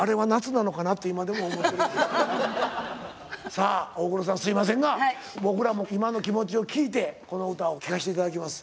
さあ大黒さんすいませんが僕らも今の気持ちを聞いてこの歌を聴かして頂きます。